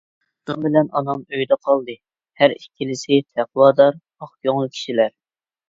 دادام بىلەن ئانام ئۆيدە قالدى، ھەر ئىككىلىسى تەقۋادار، ئاق كۆڭۈل كىشىلەر.